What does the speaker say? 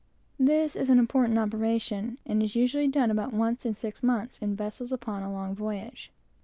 This is an important operation, and is usually done about once in six months in vessels upon a long voyage.